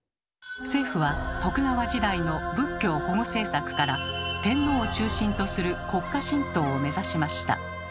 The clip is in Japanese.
政府は徳川時代の「仏教保護政策」から天皇を中心とする「国家神道」を目指しました。